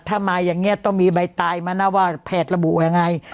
ถ้ามาต้องมีใบตายมานะว่าแผดระบุไง